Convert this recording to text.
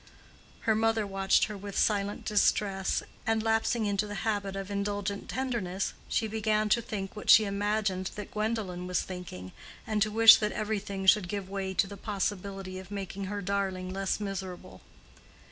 Her mother watched her with silent distress; and, lapsing into the habit of indulgent tenderness, she began to think what she imagined that Gwendolen was thinking, and to wish that everything should give way to the possibility of making her darling less miserable.